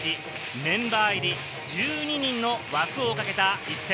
メンバー入り１２人の枠をかけた一戦。